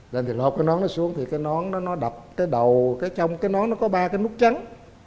lên thì lột cái nón nó xuống thì cái nón nó đập cái đầu cái trong cái nón nó có ba cái nút trắng